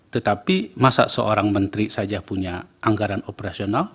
tetapi masa seorang menteri saja punya anggaran operasional